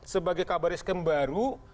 sebagai kabaris kembaru